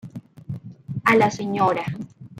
A la Sra.